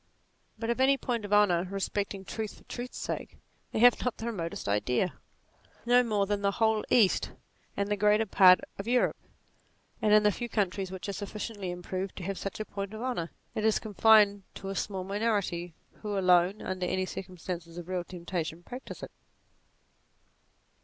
But of any point of honour respecting truth for truth's sake, they have not the remotest idea ; no more than the whole East, and the greater part of Europe : and in the few countries which are sufficiently improved to have such a point of honour, it is con fined to a small minority, who alone, under any cir cumstances of real temptation practise it.